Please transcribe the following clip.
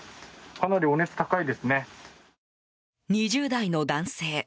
２０代の男性。